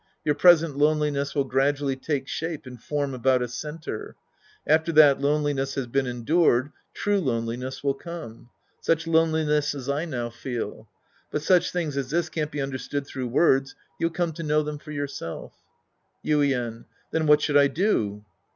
Your present loneliness ^vill gradually take shape and form about a center. After that loneliness has been endured, true loneliness will come. Such loneliness as I now feel. But such things as this can't be understood through words. You'll come to know them for yourself. Yuien. Then what should I do